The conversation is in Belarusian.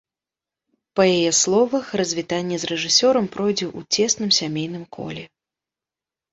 Па яе словах, развітанне з рэжысёрам пройдзе ў цесным сямейным коле.